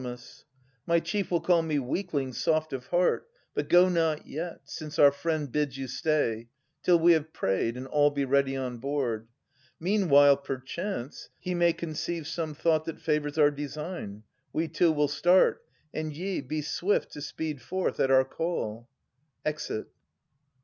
My chief will call me weakling, soft of heart ; But go not yet, since our friend bids you stay. Till we have prayed, and all be ready on board. Meanwhile, perchance, he may conceive some thought That favours our design. We two will start; And ye, be swift to speed forth at our call. \Exit.